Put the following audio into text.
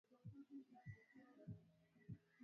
Hilo linawaweka karibu na mashambulizi ya karibuni ya anga